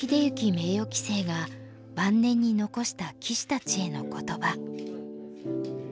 名誉棋聖が晩年に残した棋士たちへの言葉。